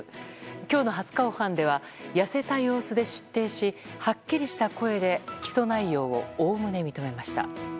今日の初公判では痩せた様子で出廷しはっきりした声で起訴内容をおおむね認めました。